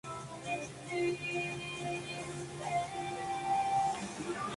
Tiene una corteza sutil, lisa, de color castaño; la textura resulta firme.